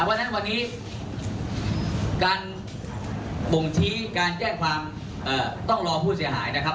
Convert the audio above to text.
วันนั้นวันนี้การบ่งที้การแจ้งความต้องรองผู้เสียหาย